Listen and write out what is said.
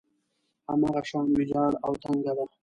هماغه شان ويجاړه او تنګه ده.